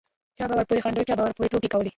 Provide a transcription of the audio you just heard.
چا به ورپورې خندل چا به ورپورې ټوکې کولې.